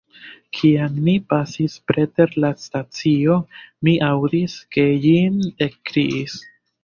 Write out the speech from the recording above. Kiam ni pasis preter la stacio, mi aŭdis, ke Jim ekkriis.